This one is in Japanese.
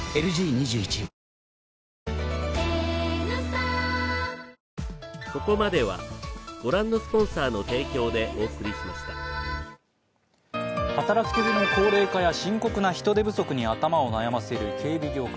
２１働き手の高齢化や、深刻な人手不足に頭を悩ませる警備業界。